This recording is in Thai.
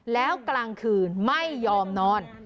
แล้วกลางคืนไม่ยอมนอน